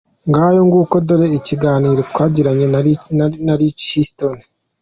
Ngayo nguko dore ikiganiro twagiranye na Rick Hilton.